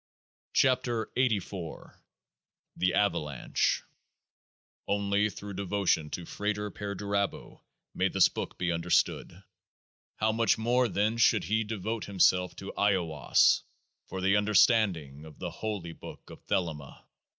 101 KEOAAH nA THE AVALANCHE Only through devotion to FRATER PER DURABO may this book be understood. How much more then should He devote Him self to AIWASS for the understanding of the Holy Books of 0EAHMA?